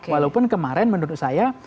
walaupun kemarin menurut saya